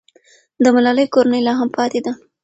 د ملالۍ کورنۍ لا هم پاتې ده.